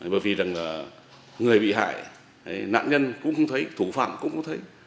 bởi vì rằng là người bị hại nạn nhân cũng không thấy thủ phạm cũng có thấy